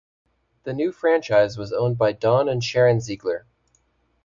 The new franchise was owned by Don and Sharon Ziegler.